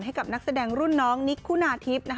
ให้กับนักแสดงรุ่นน้องนิกคุณาทิพย์